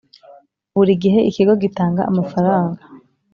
Buri gihe ikigo gitanga amafaranga